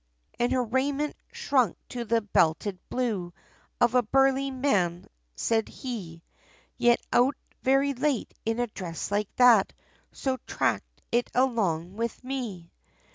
And her raiment shrunk to the belted blue, Of a burly man, said he, "Yer out very late, in a dress like that, So track it along with me."